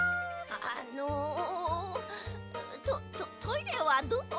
あのトトトイレはどこなのだ？